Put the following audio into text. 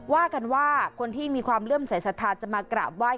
ว่ากันว่ากูนที่มีความเรื่อมใสสถานจะเริ่มถึงว่า